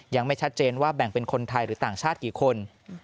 ยังไม่ชัดเจนว่าแบ่งเป็นคนไทยหรือต่างชาติกี่คน